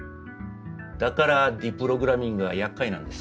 だからディプログラミングがやっかいなんです。